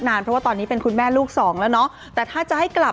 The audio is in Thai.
เพราะว่าตอนนี้เป็นคุณแม่ลูกสองแล้วเนาะแต่ถ้าจะให้กลับ